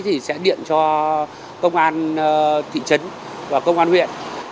thì sẽ điện cho công an thị trấn và công an huyện